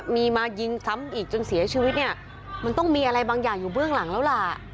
มีมายิงซ้ำอีกจนเสียชีวิตเนี่ยมันต้องมีอะไรบางอย่างอยู่เบื้องหลังแล้วล่ะ